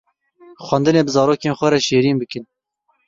Xwendinê bi zarokên xwe re şîrîn bikin!